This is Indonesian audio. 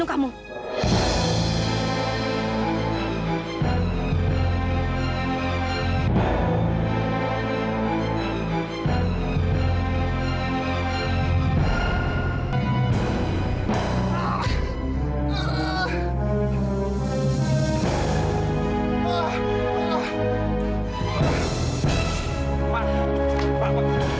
dia ini kan